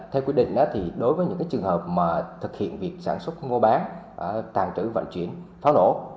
theo quy định thì đối với những trường hợp mà thực hiện việc sản xuất mua bán tàn trữ vận chuyển pháo nổ